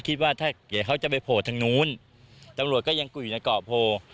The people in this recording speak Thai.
คิดว่าถ้าเดี๋ยวเขาจะไปโผล่ทางนู้นตำรวจก็ยังคุยอยู่ในเกาะโพ